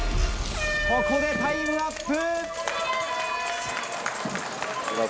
ここでタイムアップ。